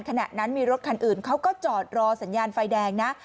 ขณะนั้นมีรถคันอื่นเขาก็จอดรอสัญญาณไฟแดงนะ